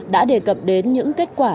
đã đề cập đến những kết quả